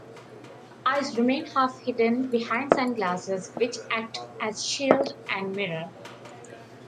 Her eyes remain half-hidden behind sunglasses, which act as shield and mirror.